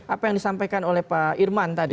apa yang disampaikan oleh pak irman tadi